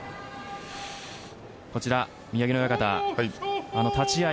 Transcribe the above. こちら、宮城野親方立ち合い